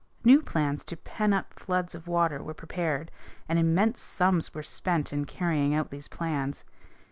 New plans to pen up floods of water were prepared, and immense sums were spent in carrying out these plans.